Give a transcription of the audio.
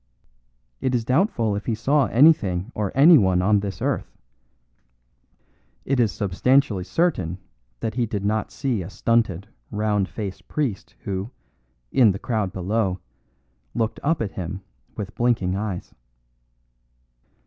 It is doubtful if he saw anything or anyone on this earth; it is substantially certain that he did not see a stunted, round faced priest who, in the crowd below, looked up at him with blinking eyes.